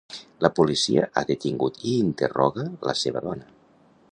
La policia ha detingut i interroga la seva dona.